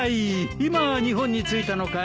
今日本に着いたのかい？